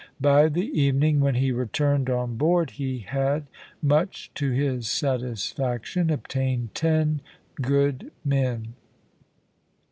By the evening, when he returned on board, he had, much to his satisfaction, obtained ten good men.